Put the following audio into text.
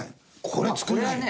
これ作れないよ。